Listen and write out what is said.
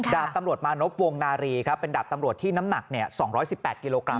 ดาบตำรวจมานพวงนารีครับเป็นดาบตำรวจที่น้ำหนัก๒๑๘กิโลกรั